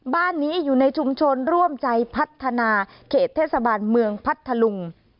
บ้านนี้อยู่ในชุมชนร่วมใจพัฒนาเขตเทศบาลเมืองพัทธลุง